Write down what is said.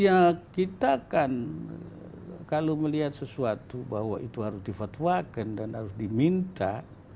ya kita kan kalau melihat sesuatu bahwa itu harus difatwakan dan harus diminta